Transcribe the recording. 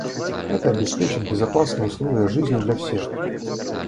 Это обеспечит безопасные условия жизни для всех.